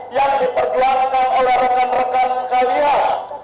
yang diperjuangkan oleh rekan rekan sekalian